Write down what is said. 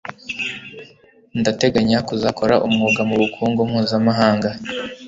Ndateganya kuzakora umwuga mubukungu mpuzamahanga.